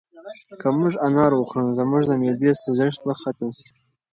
که موږ انار وخورو نو زموږ د معدې سوزش به ختم شي.